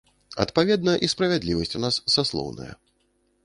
Адпаведна, і справядлівасць у нас саслоўная.